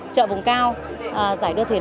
chợ vùng cao giải đua thuyền